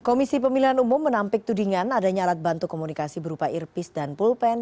komisi pemilihan umum menampik tudingan adanya alat bantu komunikasi berupa earpis dan pulpen